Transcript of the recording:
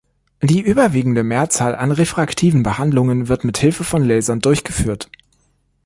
Die überwiegende Mehrzahl an refraktiven Behandlungen wird mit Hilfe von Lasern durchgeführt.